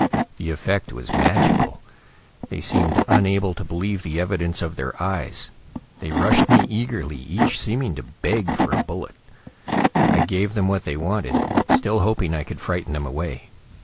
"The effect was magical. They seemed unable to believe the evidence of their eyes. They rushed me eagerly, each seeming to beg for a bullet. "I gave them what they wanted, still hoping I could frighten them away.